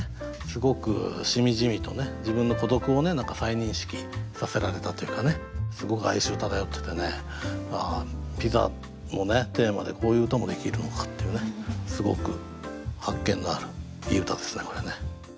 すごくしみじみと自分の孤独を何か再認識させられたというかすごく哀愁漂っててねああ「ピザ」のテーマでこういう歌もできるのかっていうねすごく発見のあるいい歌ですねこれね。